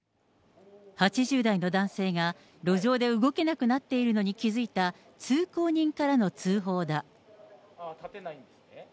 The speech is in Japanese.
８０代の男性が路上で動けなくなっているのに気付いた通行人からの通報だ。